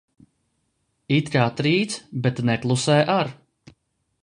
It kā trīc, bet neklusē ar.